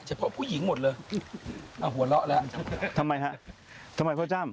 เฉพาะผู้หญิงหมดเลยอ่ะหัวเราะแล้วทำไมฮะทำไมพ่อจ้ำ